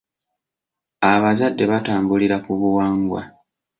Abazadde batambulira ku buwangwa.